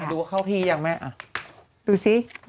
ดูเข้าที่ยังไหมดูสิ